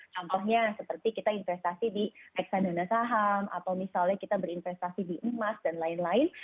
contohnya seperti kita investasi di eksadana saham atau misalnya kita berinvestasi di emas dan lain lain